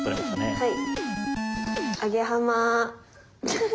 はい。